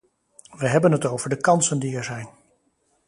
We hebben het over de kansen die er zijn.